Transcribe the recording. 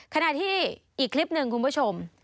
ขณะที่อีกคลิปหนึ่งคุณผู้ชม